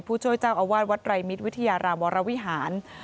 ผู้ช่วยเจ้าอาวาสวัดไรมิตรวิทยารามวรวิหาร